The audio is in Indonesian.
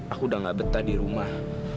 aku udah gak betah di rumah